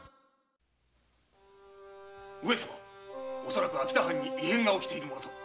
恐らく秋田藩に異変が起きているものと。